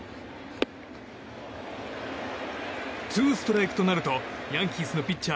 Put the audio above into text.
ツーストライクとなるとヤンキースのピッチャー